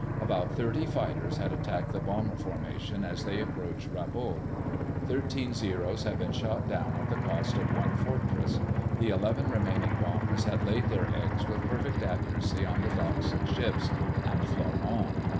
About thirty fighters had attacked the bomber formation as they approached Rabaul. Thirteen Zeros had been shot down at the cost of one Fortress. The eleven remaining bombers had laid their eggs with perfect accuracy on the docks and ships, and flown on.